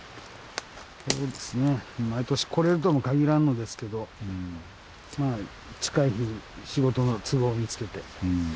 そうですね毎年来れるともかぎらんのですけどまあ近い日仕事の都合を見つけて。